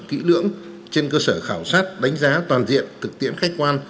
kỹ lưỡng trên cơ sở khảo sát đánh giá toàn diện thực tiễn khách quan